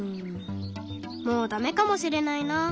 もう駄目かもしれないな。